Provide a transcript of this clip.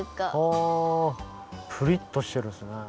あプリッとしてるんですね。